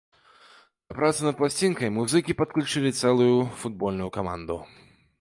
Да працы над пласцінкай музыкі падключылі цэлую футбольную каманду.